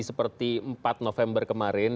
seperti empat november kemarin